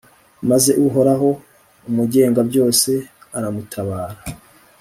maze uhoraho umugengabyose aramutabara